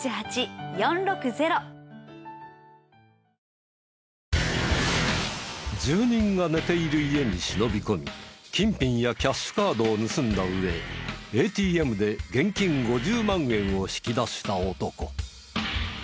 捜査員の前で見せる住人が寝ている家に忍び込み金品やキャッシュカードを盗んだ上ＡＴＭで現金５０万円を引き出した男。